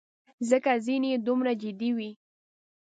ځکه ځینې یې دومره جدي وې.